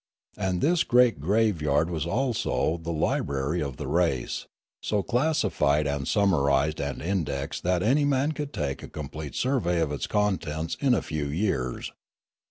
And this great graveyard was also the library of the race, so classified and summarised and indexed that any man could take a complete survey of its contents in a few years.